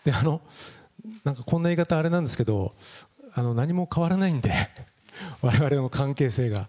なんかこんな言い方、あれなんですけど、何も変わらないんで、われわれの関係性が。